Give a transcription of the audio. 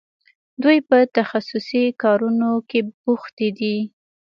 دوی په تخصصي کارونو کې بوختې دي.